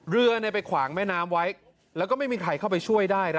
เรือไปขวางแม่น้ำไว้แล้วก็ไม่มีใครเข้าไปช่วยได้